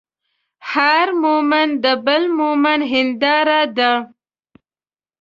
هر مؤمن د بل مؤمن هنداره ده.